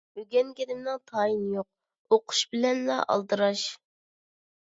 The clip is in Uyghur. ئۆگەنگىنىمنىڭ تايىنى يوق، ئوقۇش بىلەنلا ئالدىراش.